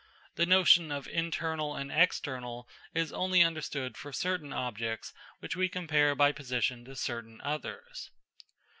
The notion of internal and external is only understood for certain objects which we compare by position to certain others.